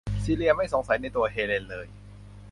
ซีเลียไม่สงสัยในตัวเฮเลนเลย